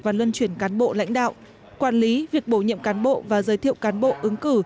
và luân chuyển cán bộ lãnh đạo quản lý việc bổ nhiệm cán bộ và giới thiệu cán bộ ứng cử